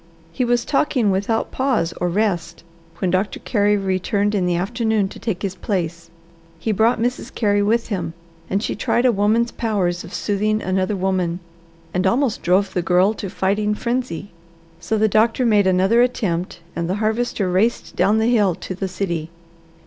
He was talking without pause or rest when Doctor Carey returned in the afternoon to take his place. He brought Mrs. Carey with him, and she tried a woman's powers of soothing another woman, and almost drove the Girl to fighting frenzy. So the doctor made another attempt, and the Harvester raced down the hill to the city.